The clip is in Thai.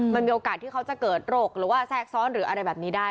มันมีโอกาสที่เขาจะเกิดโรคหรือว่าแทรกซ้อนหรืออะไรแบบนี้ได้